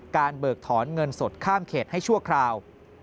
เบิกถอนเงินสดข้ามเขตให้ชั่วคราว